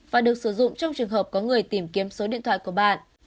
và được sử dụng trong trường hợp có người tìm kiếm số điện thoại của bạn